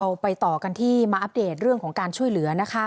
ไปต่อกันที่มาอัปเดตเรื่องของการช่วยเหลือนะคะ